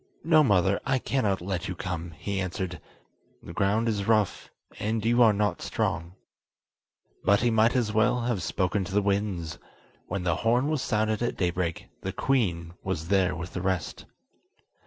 "No, mother, I cannot let you come," he answered; "the ground is rough, and you are not strong." But he might as well have spoken to the winds: when the horn was sounded at daybreak the queen was there with the rest.